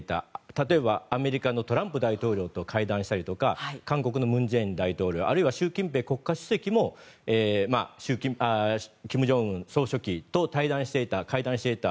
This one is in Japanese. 例えば、アメリカのトランプ大統領と会談したりとか韓国の文在寅大統領あるいは習近平国家主席も金正恩総書記と会談していた。